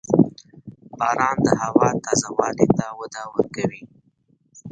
• باران د هوا تازه والي ته وده ورکوي.